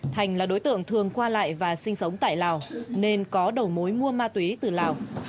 thành là đối tượng thường qua lại và sinh sống tại lào nên có đầu mối mua ma túy từ lào